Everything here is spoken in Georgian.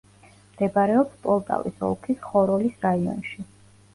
მდებარეობს პოლტავის ოლქის ხოროლის რაიონში.